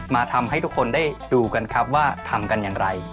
มาทำให้ทุกคนได้ดูกันครับว่าทำกันอย่างไร